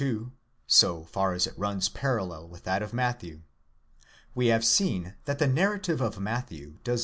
ii, so far as it runs parallel with that of Matthew. We have seen that the narrative of Matthew 21 Ex.